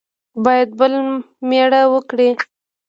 باید بل مېړه وکړي.